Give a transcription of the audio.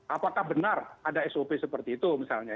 apakah benar ada sop seperti itu misalnya